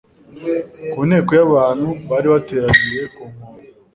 ku nteko y'abantu bari bateraniye ku nkombe.